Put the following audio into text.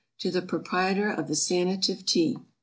To the Proprietor of the SANATIVE TEA.